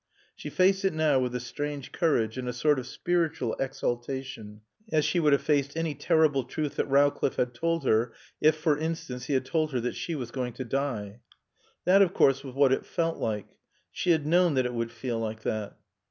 She faced it now with a strange courage and a sort of spiritual exaltation, as she would have faced any terrible truth that Rowcliffe had told her, if, for instance, he had told her that she was going to die. That, of course, was what it felt like. She had known that it would feel like that.